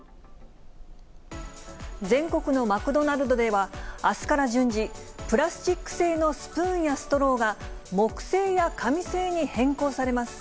全国のマクドナルドでは、あすから順次、プラスチック製のスプーンやストローが、木製や紙製に変更されます。